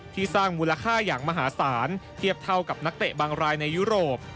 สร้างมูลค่าอย่างมหาศาลเทียบเท่ากับนักเตะบางรายในยุโรป